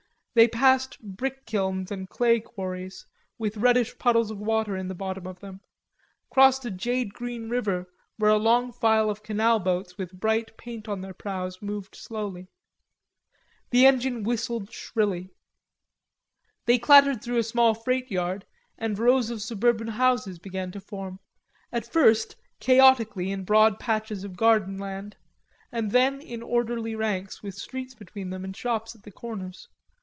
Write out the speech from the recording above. They passed brick kilns and clay quarries, with reddish puddles of water in the bottom of them; crossed a jade green river where a long file of canal boats with bright paint on their prows moved slowly. The engine whistled shrilly. They clattered through a small freight yard, and rows of suburban houses began to form, at first chaotically in broad patches of garden land, and then in orderly ranks with streets between and shops at the corners.